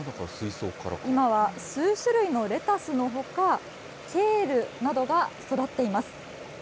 今は数種類のレタスのほか、ケールなどが育っています。